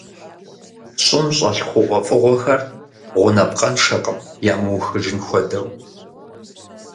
ЩӀым щӀэлъ хъугъуэфӀыгъуэхэр гъунапкъэншэкъым, ямыухыжын хуэдэу.